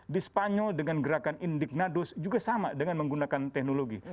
di spanyol dengan gerakan indignadus juga sama dengan menggunakan teknologi